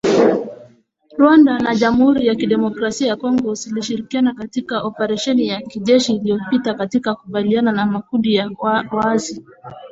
Rwanda na Jamhuri ya kidemokrasia ya Kongo zilishirikiana katika oparesheni ya kijeshi iliyopita katika kukabiliana na makundi ya waasi